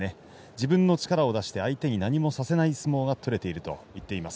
自分の力を出して相手に何もさせない相撲が取れていると言っています。